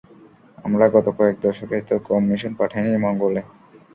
আমরা গত কয়েক দশকে তো কম মিশন পাঠাইনি মঙ্গলে।